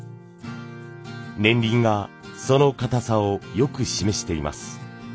年輪がそのかたさをよく示しています。